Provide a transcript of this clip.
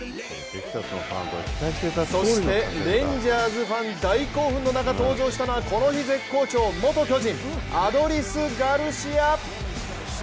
そしてレンジャーズファン大興奮の中登場したのはこの日、絶好調元巨人、アドリス・ガルシア！